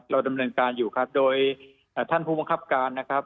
เราดำเนินการอยู่ครับโดยท่านผู้บังคับการนะครับ